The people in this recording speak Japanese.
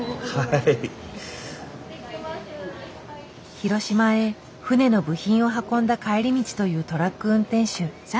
広島へ船の部品を運んだ帰り道というトラック運転手。